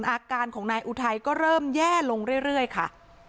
อาการของนายอุทัยก็เริ่มแย่ลงเรื่อยค่ะ